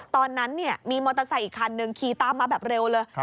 ตอนนั้นมีมอเตอร์ไซค์อีกคันนึงขี่ตามมาแบบเร็วเลย